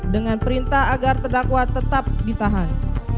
dengan perintah agar terdakwa tetap ditahan